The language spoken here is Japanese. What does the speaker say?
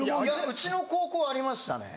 うちの高校はありましたね